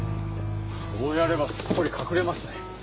そうやればすっぽり隠れますね。